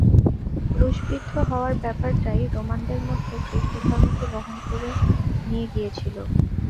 ক্রুশবিদ্ধ হওয়ার ব্যাপারটাই রোমানদের মধ্যে খ্রীষ্টধর্মকে বহন করে নিয়ে গিয়েছিল।